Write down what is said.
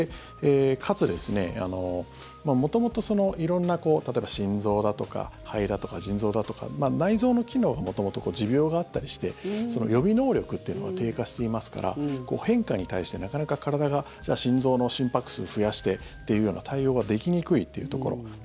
かつ、元々色んな例えば心臓だとか肺だとか腎臓だとか内臓の機能が元々、持病があったりして予備能力っていうのが低下していますから変化に対してなかなか体がじゃあ心臓の心拍数増やしてっていうような対応ができにくいというところ。